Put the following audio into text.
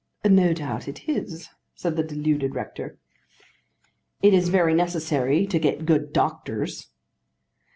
"No doubt it is," said the deluded rector. "It is very necessary to get good doctors."